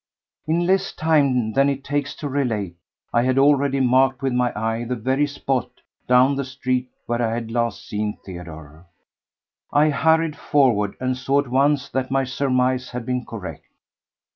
In less time than it takes to relate I had already marked with my eye the very spot—down the street—where I had last seen Theodore. I hurried forward and saw at once that my surmise had been correct.